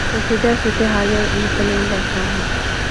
کشیدہ صورت حال میں مطمئن رہتا ہوں